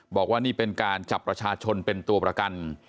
บอกว่านี่เป็นการจับประชาชนเป็นตัวประกัน